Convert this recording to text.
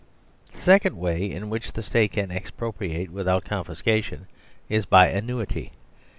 The second way in which the State can expropriate with out confiscation is by annuity.